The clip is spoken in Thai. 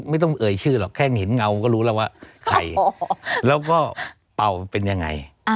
ไม่ต้องเอ่ยชื่อหรอกแข้งเห็นเงาก็รู้แล้วว่าใครแล้วก็เป่าเป็นยังไง